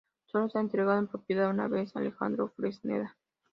Solo se ha entregado en propiedad una vez, a Alejandro Fresneda.